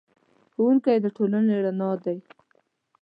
ښوونکی د ټولنې رڼا دی.